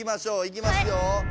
いきますよ。